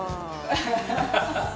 ハハハハ！